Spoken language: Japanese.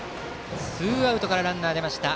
ツーアウトからランナー出ました。